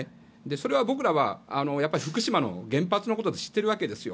それは僕らは福島の原発のことで知っているわけですよ。